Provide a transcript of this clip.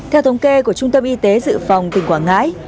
theo thống kê của trung tâm y tế dự phòng tỉnh quảng ngãi